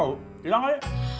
oh hilang aja